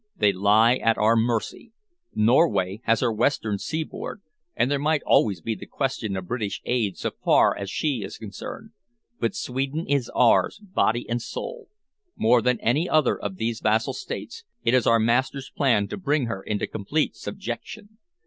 "They lie at our mercy. Norway has her western seaboard, and there might always be the question of British aid so far as she is concerned. But Sweden is ours, body and soul. More than any other of these vassal states, it is our master's plan to bring her into complete subjection.